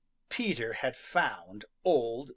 Peter had found Old Mr. Toad!